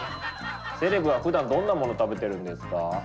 セレブはふだんどんなものを食べてるんですか？